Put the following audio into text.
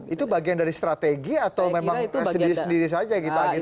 itu bagian dari strategi atau memang sendiri sendiri saja kita agin agin